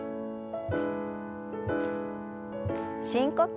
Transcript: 深呼吸。